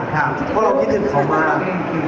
เพราะเราคิดถึงเขามาก